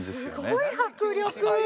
すごい迫力！